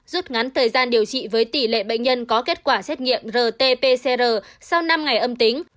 rút ngắn thời gian điều trị với tỷ lệ bệnh nhân có kết quả xét nghiệm rt pcr sau năm ngày âm tính